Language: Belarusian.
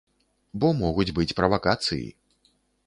Бо могуць быць правакацыі.